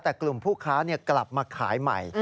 แต่กลุ่มผู้ค้ากลับมาขายใหม่